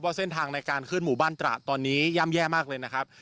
เส้นทางในการขึ้นหมู่บ้านตระตอนนี้ย่ำแย่มากเลยนะครับ